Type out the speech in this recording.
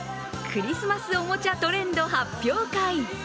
クリスマスおもちゃトレンド発表会。